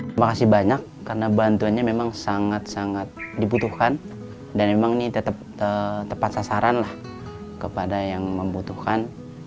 terima kasih banyak karena bantuannya memang sangat sangat dibutuhkan dan memang ini tetap tepat sasaran lah kepada yang membutuhkan